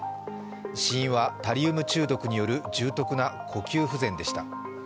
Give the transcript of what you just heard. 死因は、タリウム中毒による重篤な呼吸不全でした。